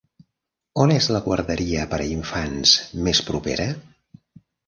On és la guarderia per a infants més propera?